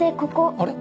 あれ？